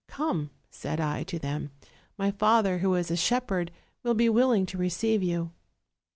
'Come,' said I to them; 'iny father, who is a shepherd, will be willing to receive you.'